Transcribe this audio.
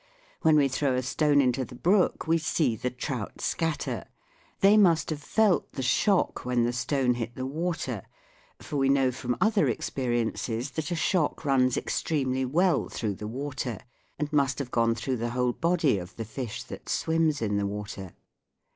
When we throw a stone into the brook, we see the trout scatter. They must have felt the shock when the stone hit the water, for we know from other experiences that a shock runs extremely well through the water, and must have gone through the whole body of the fish that swims in the water.